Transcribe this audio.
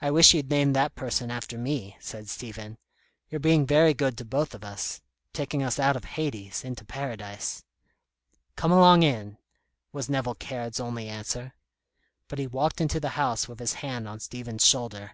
"I wish you'd name that person after me," said Stephen. "You're being very good to both of us, taking us out of Hades into Paradise." "Come along in," was Nevill Caird's only answer. But he walked into the house with his hand on Stephen's shoulder.